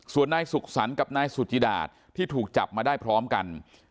ส่วนนายสุขสรรค์กับนายสุจิดาตที่ถูกจับมาได้พร้อมกัน